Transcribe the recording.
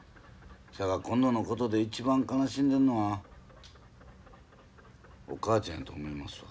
そやから今度のことで一番悲しんでんのはお母ちゃんやと思いますわ。